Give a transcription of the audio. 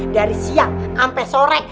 dari siang sampe sore